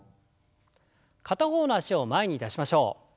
片方の脚を前に出しましょう。